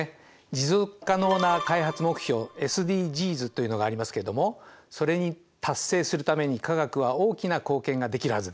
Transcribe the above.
持続可能な開発目標ＳＤＧｓというのがありますけれどもそれに達成するために化学は大きな貢献ができるはずです。